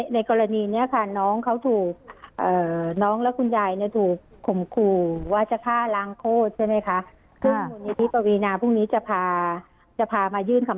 ในกรณีนี้ค่ะน้องและคุณยายถูกข่อมคู่ว่าจะฆ่ารางโฆษณ์ใช่ไหมคะ